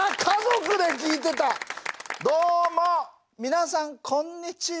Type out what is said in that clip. どうも皆さんこんにちは。